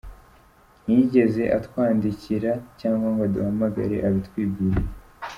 Ntiyigeze atwandikira cyangwa ngo aduhamagare abitwibwirire.